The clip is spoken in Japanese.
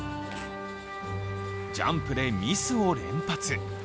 ジャンプでミスを連発。